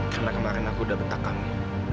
karena kemarin aku udah betak kamu